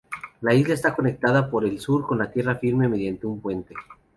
La isla está conectada por el sur con la tierra firme mediante un puente.